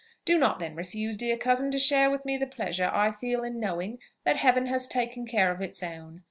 Do not then refuse, dear cousin, to share with me the pleasure I feel in knowing that Heaven has taken care of its own!